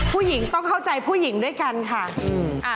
ผู้หญิงต้องเข้าใจผู้หญิงด้วยกันค่ะ